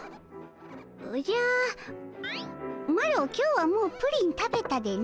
おじゃマロ今日はもうプリン食べたでの。